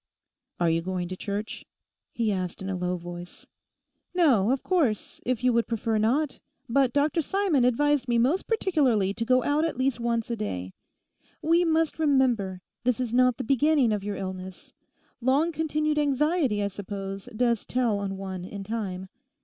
'Are you going to church?' he asked in a low voice. 'Not, of course, if you would prefer not. But Dr Simon advised me most particularly to go out at least once a day. We must remember, this is not the beginning of your illness. Long continued anxiety, I suppose, does tell on one in time.